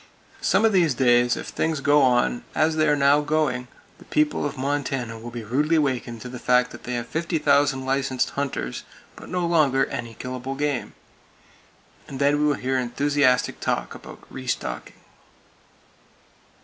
Some of these days, if things go on as they are now going, the people of Montana will be rudely awakened to the fact that they have 50,000 licensed hunters but no longer any killable game! And then we will hear enthusiastic talk about "restocking."